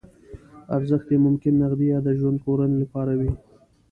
ارزښت یې ممکن نغدي یا د ژوند ژغورنې لپاره وي.